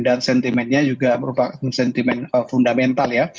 dan sentimentnya juga merupakan sentiment fundamental ya